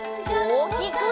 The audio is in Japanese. おおきく！